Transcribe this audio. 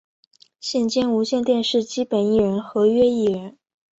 现兼无线电视基本艺人合约艺人。